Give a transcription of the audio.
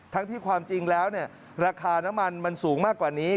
ที่ความจริงแล้วราคาน้ำมันมันสูงมากกว่านี้